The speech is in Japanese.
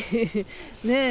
ねえ。